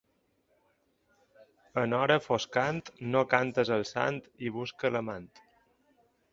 En hora foscant, no cantes al sant i busca l'amant.